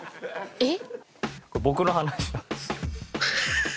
えっ！